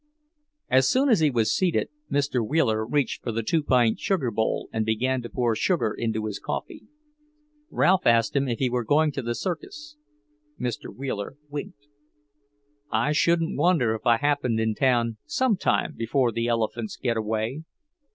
As soon as he was seated, Mr. Wheeler reached for the two pint sugar bowl and began to pour sugar into his coffee. Ralph asked him if he were going to the circus. Mr. Wheeler winked. "I shouldn't wonder if I happened in town sometime before the elephants get away."